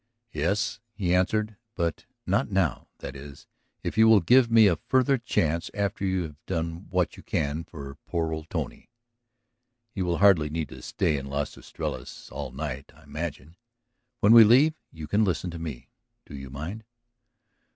"Yes," he answered. "But not now. That is, if you will give me a further chance after you have done what you can for poor old Tony. You will hardly need to stay at Las Estrellas all night, I imagine. When we leave you can listen to me. Do you mind?"